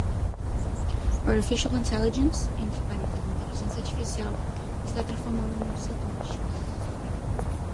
Artificial Intelligence (Inteligência Artificial) está transformando muitos setores.